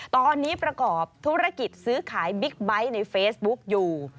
ตอนนี้ประกอบธุรกิจซื้อขายบิ๊กไบท์ในเฟซบุ๊กอยู่